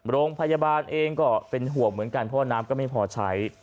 โรงพยาบาลเองก็เป็นห่วงเหมือนกันเพราะว่าน้ำก็ไม่พอใช้